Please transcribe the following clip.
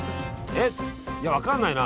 えっいや分かんないな。